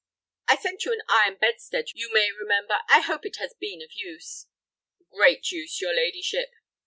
"I sent you an iron bedstead, you may remember. I hope it has been of use." "Great use, your ladyship."